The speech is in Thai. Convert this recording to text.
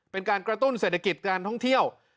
เป็นการกระตุ้นเศรษฐกิจการท่องเที่ยว